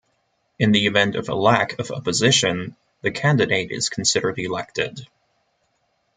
In the event of a lack of opposition, the candidate is considered elected.